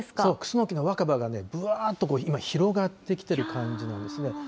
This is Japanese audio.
そう、クスノキの若葉がぶわっとこう、広がってきている感じなんですね。